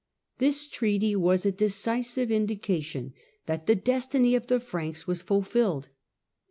This 843 treaty was a decisive indication that the destiny of the !v Franks was fulfilled.